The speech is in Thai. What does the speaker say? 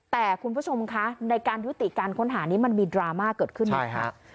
แต่คุณผู้ชมคะในการยุติการค้นหานี้มันมีดราม่าเกิดขึ้นไหมคะ